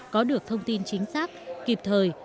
có được thông tin chính xác kịp thời